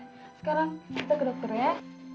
sekarang kita ke dokter ya